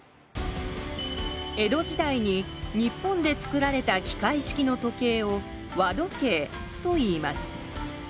江戸時代に日本でつくられた機械式の時計を「和時計」といいます。